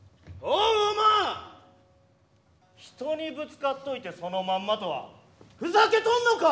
おま人にぶつかっといてそのまんまとはふざけとんのか！